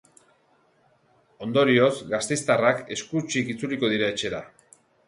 Ondorioz, gasteiztarrak eusku hutsik itzuliko dira etxera.